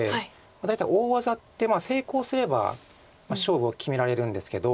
大体大技って成功すれば勝負を決められるんですけど。